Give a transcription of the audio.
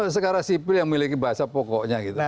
sekarang sipil yang memiliki bahasa pokoknya gitu